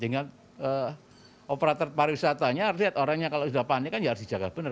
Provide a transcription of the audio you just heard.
tinggal operator pariwisatanya lihat orangnya kalau sudah panik kan ya harus dijaga benar